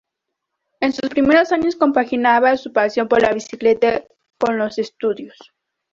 En sus primeros años compaginaba su pasión por la bicicleta con los estudios.